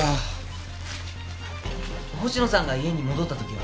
星野さんが家に戻ったときは？